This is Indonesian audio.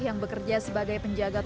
yang bekerja sebagai penyelamat